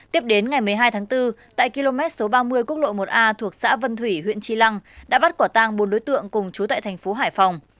tiếp đến ngày một mươi hai tháng bốn tại km số ba mươi quốc lộ một a thuộc xã vân thủy huyện tri lăng đã bắt quả tang bốn đối tượng cùng chú tại thành phố hải phòng